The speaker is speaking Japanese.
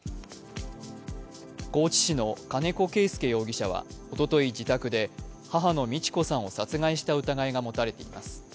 高知市の金子圭克容疑者はおととい、自宅で母の美智子さんを殺害した疑いが持たれています。